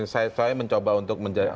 saya mencoba untuk menjelaskan